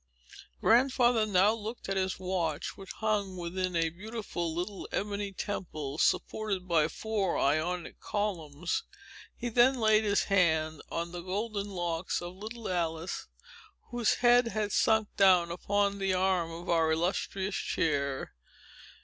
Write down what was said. Grandfather now looked at his watch, which hung within a beautiful little ebony Temple, supported by four Ionic columns. He then laid his hand on the golden locks of little Alice, whose head had sunk down upon the arm of our illustrious chair.